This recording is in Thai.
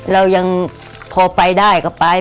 เรายังพอไปได้ก็ไป